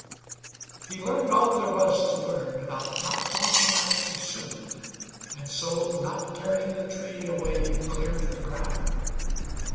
He learned all there was To learn about not launching out too soon And so not carrying the tree away Clear to the ground.